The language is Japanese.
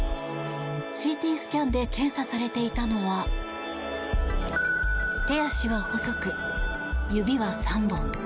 ＣＴスキャンで検査されていたのは手足は細く、指は３本。